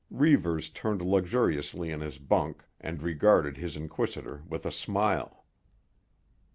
Reivers turned luxuriously in his bunk and regarded his inquisitor with a smile.